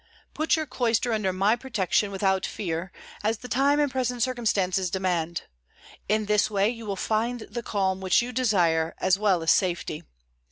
Put your cloister under my protection without fear, as the time and present circumstances demand. In this way you will find the calm which you desire, as well as safety.